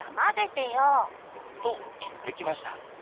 と言ってきました。